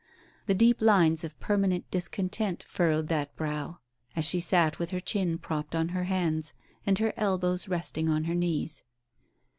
The deep lines of permanent dis content furrowed that brow as she sat with her chin propped on her hands, and her elbows resting on her knees.